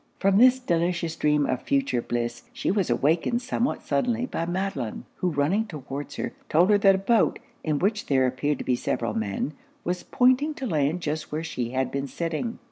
From this delicious dream of future bliss, she was awakened somewhat suddenly by Madelon; who running towards her, told her that a boat, in which there appeared to be several men, was pointing to land just where she had been sitting.